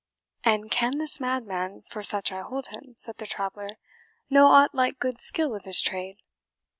"And can this madman, for such I hold him," said the traveller, "know aught like good skill of his trade?"